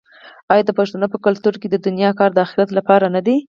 آیا د پښتنو په کلتور کې د دنیا کار د اخرت لپاره نه دی؟